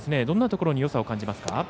どんなところによさを感じますか。